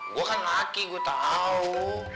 gue kan laki gue tahu